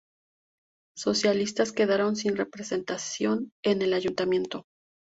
Socialistas quedaron sin representación en el ayuntamiento.